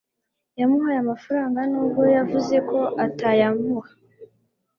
yamuhaye amafaranga nubwo yavuze ko atazayamuha